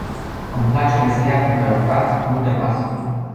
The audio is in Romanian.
Îmi place meseria pe care o practic cu multă pasiune.